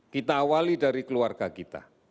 kita awali dari keluarga kita